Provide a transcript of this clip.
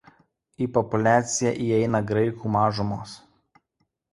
Į populiaciją įeina graikų mažumos.